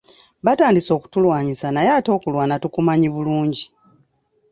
Batandise okutulwanyisa naye ate okulwana tukumanyi bulungi.